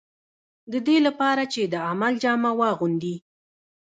د دې لپاره چې د عمل جامه واغوندي.